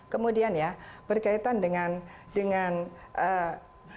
kemudian ya berkaitan dengan pimpinan yang sekarang